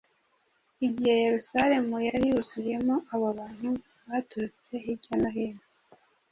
Igihe Yerusalemu yari yuzuyemo abo bantu baturutse hirwa no hino,